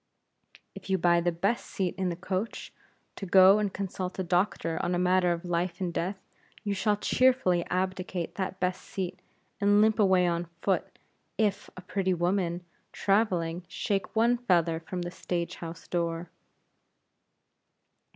If you buy the best seat in the coach, to go and consult a doctor on a matter of life and death, you shall cheerfully abdicate that best seat, and limp away on foot, if a pretty woman, traveling, shake one feather from the stage house door.